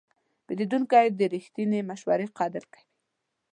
پیرودونکی د رښتینې مشورې قدر کوي.